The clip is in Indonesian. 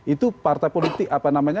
itu partai politik apa namanya